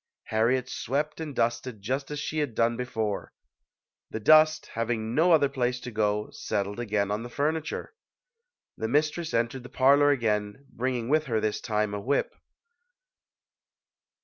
Har riet swept and dusted just as she had done before. The dust, having no other place to go, settled again on the furniture. The mistress en tered the parlor again, bringing with her this time a whip.